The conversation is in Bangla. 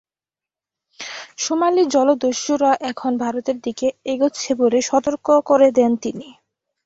সোমালী জলদস্যুরা এখন ভারতের দিকে এগোচ্ছে বলে সতর্ক করে দেন তিনি।